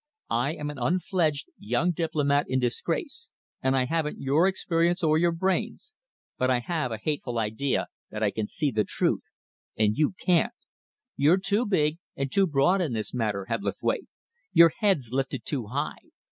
I am an unfledged young diplomat in disgrace, and I haven't your experience or your brains, but I have a hateful idea that I can see the truth and you can't. You're too big and too broad in this matter, Hebblethwaite. Your head's lifted too high.